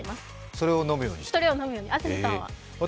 それを飲むようにですね。